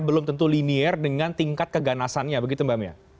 belum tentu linier dengan tingkat keganasannya begitu mbak mia